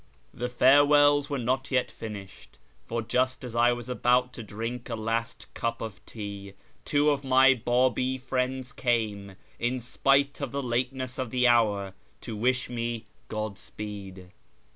The farewells were not yet finished, for just as I was about to drink a last cup of tea, two of my Babi friends came, in spite of the late ness of the hour, to wish me Godspeed.